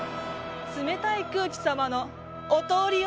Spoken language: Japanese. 冷たい空気様のお通りよ。